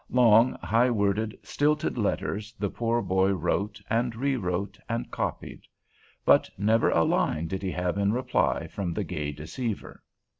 Long, high worded, stilted letters the poor boy wrote and rewrote and copied. But never a line did he have in reply from the gay deceiver.